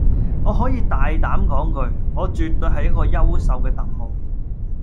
我可以大膽講句，我絕對係一個優秀嘅特務